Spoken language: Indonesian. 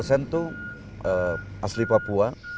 itu asli papua